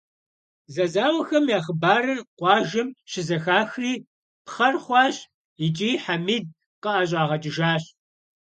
Зэзауэхэм я хъыбарыр къуажэм щызэхахри, пхъэр хъуащ икӀи Хьэмид къыӀэщӀагъэкӀыжащ.